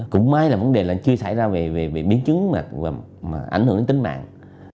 cũng may là vấn đề chưa xảy ra về biến chứng mà ảnh hưởng đến tính mạng